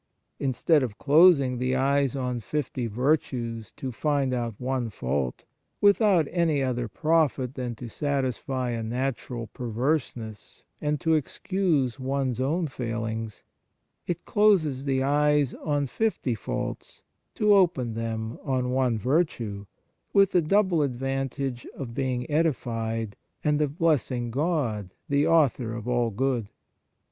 Instead of closing the eyes on fifty virtues to find out one fault, without any other profit than to satisfy a natural perverseness and to excuse one s own failings, it closes the eyes on fifty faults to open them on one virtue, with the double advantage of being edified and of blessing God, the Author of all good.